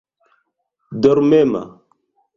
dormema